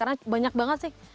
karena banyak banget sih